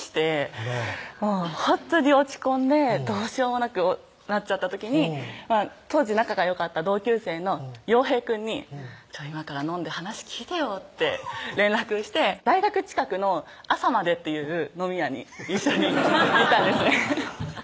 あらほんとに落ち込んでどうしようもなくなっちゃった時に当時仲がよかった同級生のヨウヘイくんに「今から飲んで話聞いてよ」って連絡して大学近くのＡＳＡＭＡＤＥっていう飲み屋に一緒に行ったんですね